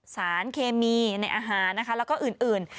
สารเคมีในอาหารนะคะแล้วก็อื่น